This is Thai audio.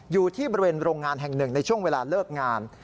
อยู่ที่บริเวณโรงงานแห่งหนึ่งในช่วงเวลาเลิกงาน